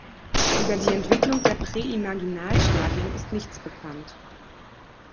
Über die Entwicklung der Präimaginalstadien ist nichts bekannt.